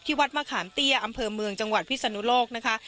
วัดมะขามเตี้ยอำเภอเมืองจังหวัดพิศนุโลกนะคะ